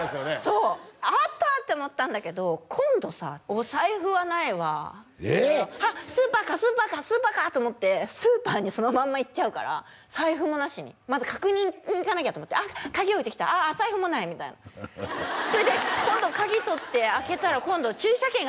そう「あった！」って思ったんだけど今度さお財布はないわ「あっスーパーかスーパーかスーパーか」と思ってスーパーにそのまんま行っちゃうから財布もなしにまず確認に行かなきゃと思って「あっ鍵置いてきたああ財布もない」みたいなそれで今度鍵取って開けたら今度駐車券がない